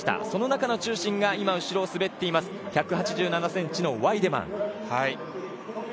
その中の中心が今、後ろを滑っている１８７ｃｍのワイデマン。